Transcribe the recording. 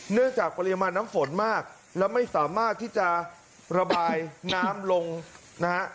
จากปริมาณน้ำฝนมากแล้วไม่สามารถที่จะระบายน้ำลงนะฮะ